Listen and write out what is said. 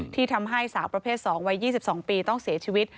ที่ทำให้สาวประเภท๒วัย๒๒ปีต้องเสียชีวิต